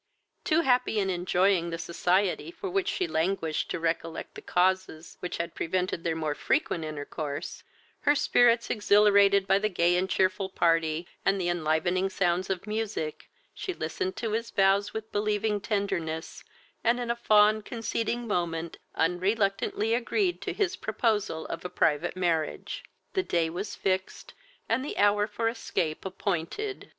Too happy in enjoying the society for which she languished to recollect the causes which had prevented their more frequent intercourse, her spirits exhilirated by the gay and cheerful party, and the enlivening sounds of music, she listened to his vows with believing tenderness, and in a fond conceding moment unreluctantly agreed to his proposal of a private marriage: the day was fixed, and the hour for escape appointed.